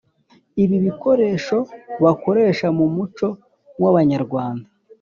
ibi bikoresho bakoresha mu muco w’abanyarwanda.